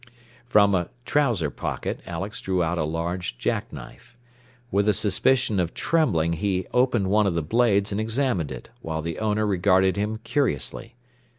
From a trouser pocket Alex drew out a large jack knife. With a suspicion of trembling he opened one of the blades and examined it, while the owner regarded him curiously.